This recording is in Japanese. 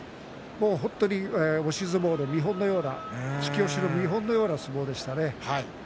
本当に押し相撲の見本のような突き押しの見本のような相撲でしたね。